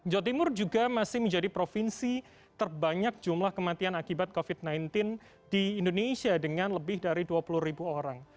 jawa timur juga masih menjadi provinsi terbanyak jumlah kematian akibat covid sembilan belas di indonesia dengan lebih dari dua puluh ribu orang